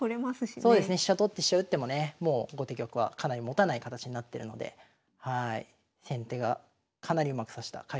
そうですね飛車取って飛車打ってもねもう後手玉はかなりもたない形になってるので先手がかなりうまく指した快勝譜となりました。